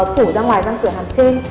phủ ra ngoài răng cửa hàm trên